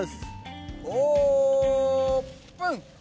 オープン！